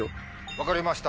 分かりました。